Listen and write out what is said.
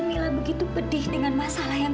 kamila belum ada kenyang broom di atas rumah